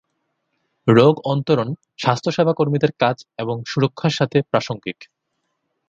রোগ-অন্তরণ স্বাস্থ্যসেবা কর্মীদের কাজ এবং সুরক্ষার সাথে প্রাসঙ্গিক।